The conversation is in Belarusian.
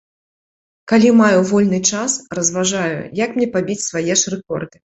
Калі маю вольны час, разважаю, як мне пабіць свае ж рэкорды.